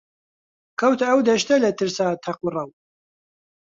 کەوتە ئەو دەشتە لە ترسا تەق و ڕەو